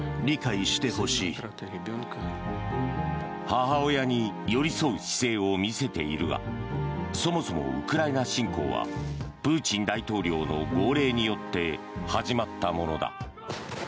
母親に寄り添う姿勢を見せているがそもそもウクライナ侵攻はプーチン大統領の号令によって始まったものだ。